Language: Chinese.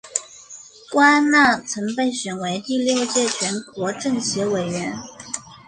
郭安娜曾被选为第六届全国政协委员。